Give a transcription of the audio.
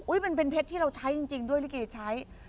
มันเป็นเพชรที่เราใช้จริงด้วยลิเกใช้